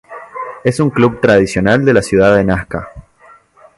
Es un club tradicional de la ciudad de Nasca.